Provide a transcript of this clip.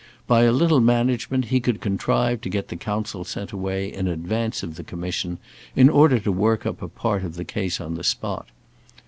By a little management he could contrive to get the counsel sent away in advance of the commission, in order to work up a part of the case on the spot.